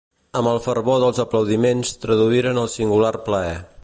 Amb el fervor dels aplaudiments traduïen el singular plaer.